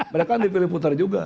mereka dipilih puter juga